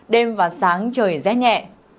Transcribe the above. đêm và sáng trời rét nhẹ